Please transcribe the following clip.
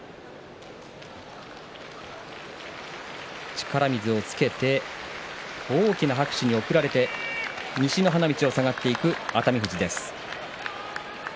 力水をつけて大きな拍手に送られて西の花道を下がっていく熱海富士です。